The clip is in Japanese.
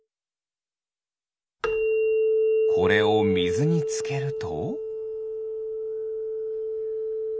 これをみずにつけると？